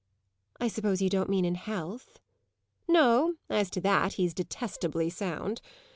"I suppose you don't mean in health?" "No, as to that he's detestably sound.